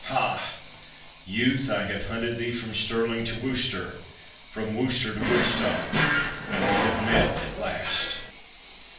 —Ha, youth, I have hunted thee from Stirling to Worcester, from Worcester to Woodstock, and we have met at last!"